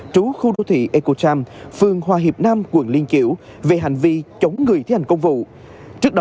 trú khu đô thị ecocham phường hòa hiệp nam quận liên kiểu về hành vi chống người thi hành công vụ trước đó